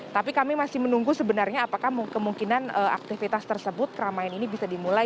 tapi kami masih menunggu sebenarnya apakah kemungkinan aktivitas tersebut keramaian ini bisa dimulai